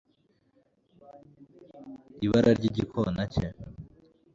Ibara ryigikona cye